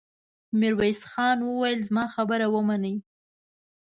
ميرويس خان وويل: زما خبره ومنئ!